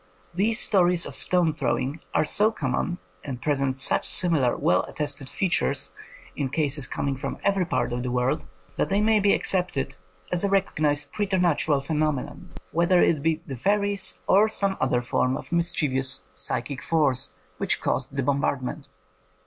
These stories of stone throwing are so common, and present such similar well attested features in cases coming from every part of the world, that they may be accepted as a recognized preternatural phenomenon, whether it be the fairies or some other form of mischievous psychic 146 INDEPENDENT EVIDENCE FOR FAIRIES force which caused the bombardment.